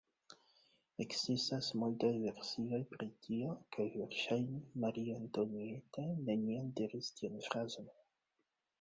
Ekzistas multaj versioj pri tio kaj verŝajne Marie-Antoinette neniam diris tian frazon.